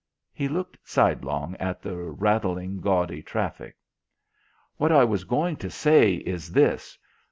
He looked sidelong at the rattling gaudy traffic. "What I was going to say is this.